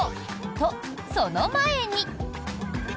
と、その前に。